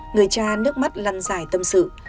người cha nước mắt lăn dài tâm sự